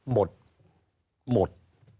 หมด